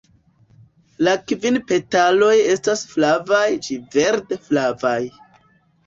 La kvin petaloj estas flavaj ĝi verde-flavaj.